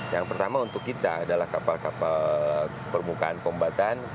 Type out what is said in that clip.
yang pertama untuk kita adalah kapal kapal permukaan kombatan